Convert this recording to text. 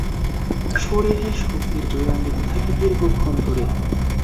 শরীরে শক্তির যোগান দিতে থাকে দীর্ঘক্ষণ ধরে।